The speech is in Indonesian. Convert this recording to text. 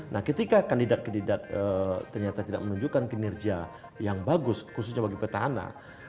nah ketika kandidat kandidat ternyata tidak menunjukkan kinerja yang bagus khususnya bagi petahana